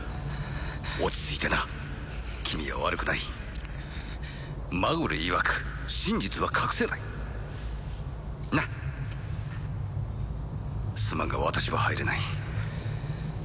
落ち着いてな君は悪くないマグルいわく真実は隠せないなっすまんが私は入れない